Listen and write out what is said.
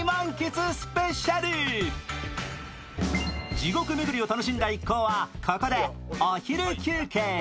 地獄めぐりを楽しんだ一行はここでお昼休憩。